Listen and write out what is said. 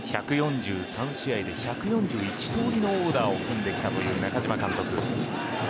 １４３試合で１４１通りのオーダーを組んできた中嶋監督。